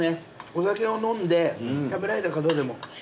お酒を飲んで食べられた方でもいけますね。